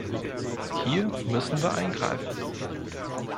Hier müssen wir eingreifen.